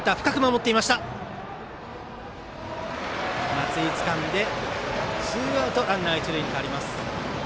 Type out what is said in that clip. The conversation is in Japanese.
松井つかんでツーアウトランナー、一塁に変わります。